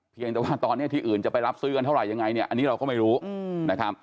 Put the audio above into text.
เพียงแต่ว่าตอนนี้ที่อื่นจะไปรับซื้อกันเท่าไหร่ยังไงเนี่ยอันนี้เราก็ไม่รู้นะครับ